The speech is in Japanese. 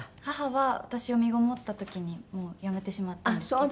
母は私を身ごもった時にもう辞めてしまったんですけど。